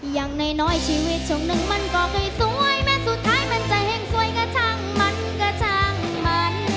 อย่างน้อยชีวิตช่วงหนึ่งมันก็เคยสวยแม้สุดท้ายมันจะแห่งสวยก็ช่างมันก็ช่างมัน